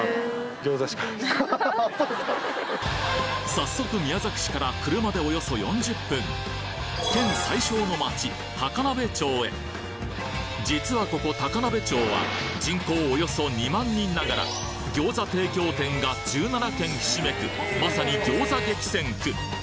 早速宮崎市から車でおよそ４０分県最小の町実はここ高鍋町は人口およそ２万人ながら餃子提供店が１７軒ひしめくまさに餃子激戦区！